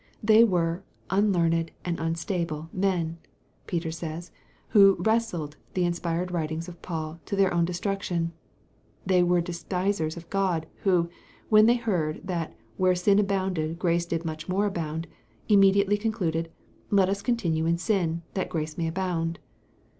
There were "unlearned and unstable" men, Peter says, who "wrested" the inspired writings of Paul "to their own destruction." There were despisers of God, who, when they heard that "where sin abounded grace did much more abound," immediately concluded, Let us "continue in sin, that grace may abound."